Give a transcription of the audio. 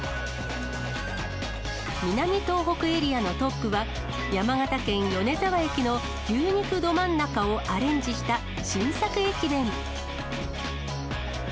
南東北エリアのトップは、山形県米沢駅の牛肉どまん中をアレンジした新作駅弁。